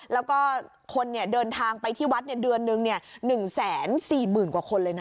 แล้วก็คนเดินทางไปที่วัดเดือนหนึ่ง๑๔๐๐๐กว่าคนเลยนะ